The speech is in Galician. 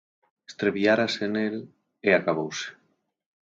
Extraviárase nel, e acabouse.